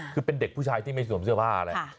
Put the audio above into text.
คือเป็นเด็กผู้ชายที่ไม่สวมเสื้อผ้าแหละ